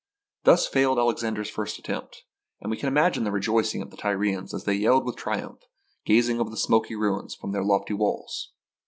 Thus failed Alexander's first attempt; and we can imagine the rejoicing of the Tyrians as they yelled with triumph, gazing over the smoking ruins from their lofty walls.